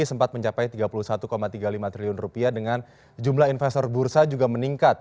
sempat mencapai tiga puluh satu tiga puluh lima triliun rupiah dengan jumlah investor bursa juga meningkat